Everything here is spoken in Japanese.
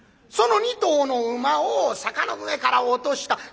その２頭の馬を坂の上から落とした。